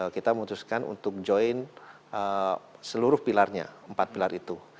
kita memutuskan untuk join seluruh pilarnya empat pilar itu